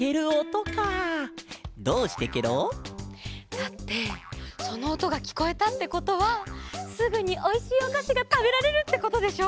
だってそのおとがきこえたってことはすぐにおいしいおかしがたべられるってことでしょ？